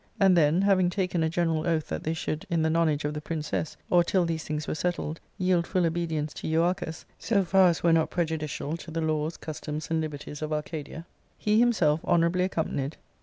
And then, having taken a general oath that they should, in the nonage of the princess, or till these things were settled, yield full obedience to Euarchus, so far as were not prejudicial to the laws, customs, and liberties of Arcadia^ he himself, honourably accompanied with